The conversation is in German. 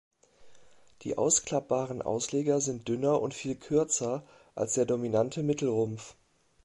Die ausklappbaren Ausleger sind dünner und viel kürzer als der dominante Mittelrumpf.